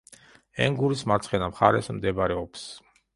ენგურის მარცხენა მხარეს მდებარეობს.